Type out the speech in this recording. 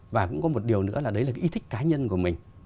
và cũng có một điều nữa là đấy là cái ý thích cá nhân của mình